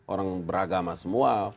orang beragama semua